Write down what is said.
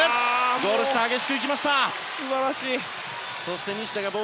ゴール下、激しく行きました。